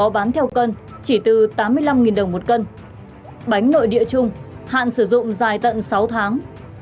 bánh nội địa chung hạn sử dụng dài tận sáu tháng